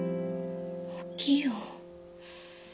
おきよ。